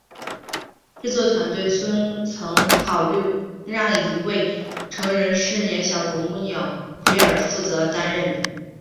制作团队虽曾考虑让一位成人饰演小啄木鸟奎尔负责担任。